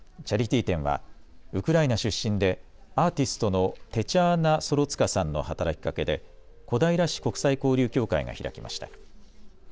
チャリティー展はウクライナ出身でアーティストのテチャーナ・ソロツカさんの働きかけで小平市国際交流協会が開きました。